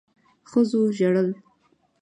ښځو ژړل